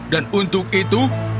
dan untuk itu